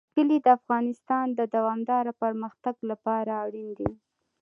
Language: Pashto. کلي د افغانستان د دوامداره پرمختګ لپاره اړین دي.